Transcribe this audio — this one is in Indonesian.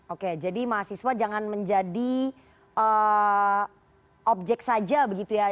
oke jadi mahasiswa jangan menjadi objek saja begitu ya